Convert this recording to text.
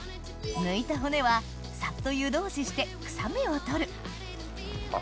抜いた骨はサッと湯通しして臭みを取るあっ